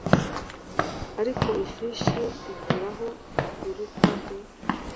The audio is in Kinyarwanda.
Ariko ifishi ikoraho ituruka he